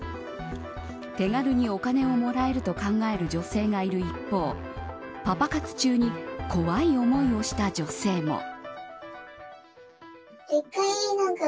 手軽にお金をもらえると考える女性がいる一方パパ活中に怖い思いをした女性も。